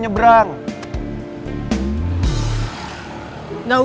mas aku mau